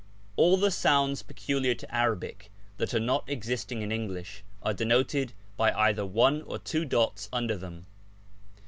— All the Bounds peculiar to Arabic, that are not existing in English, are denoted by either one or two dots under them.